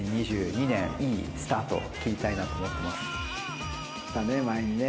２０２２年いいスタートを切りたいなと思ってます。